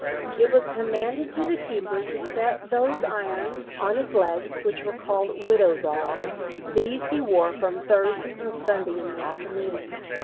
"It was commanded to the keeper to set those irons on his legs which were called widows' alms; these he wore from Thursday till Sunday in the afternoon."